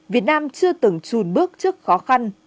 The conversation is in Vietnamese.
việt nam chưa từng chùn bước trước khó khăn